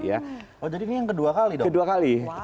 oh jadi ini yang kedua kali dong